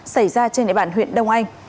xảy ra trên đại bản huyện đông anh